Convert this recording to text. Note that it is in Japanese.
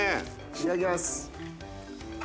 いただきます。